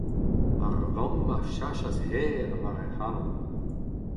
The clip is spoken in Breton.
Ar vamm a sachas herr war hec’h alan.